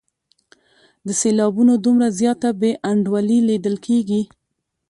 د سېلابونو دومره زیاته بې انډولي لیدل کیږي.